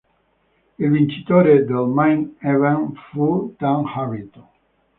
Il vincitore del Main Event fu Dan Harrington.